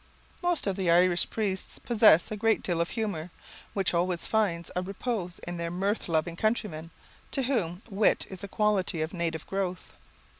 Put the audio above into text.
Most of the Irish priests possess a great deal of humour, which always finds a response in their mirth loving countrymen, to whom wit is a quality of native growth.